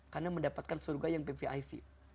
karena mendapatkan surga yang pviv